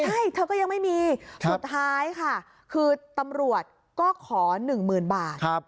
ใช่เธอก็ยังไม่มีสุดท้ายค่ะคือตำรวจก็ขอ๑๐๐๐บาท